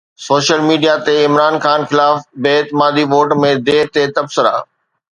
social media تي عمران خان خلاف بي اعتمادي ووٽ ۾ دير تي تبصرا